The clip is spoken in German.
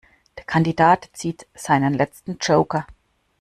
Der Kandidat zieht seinen letzten Joker.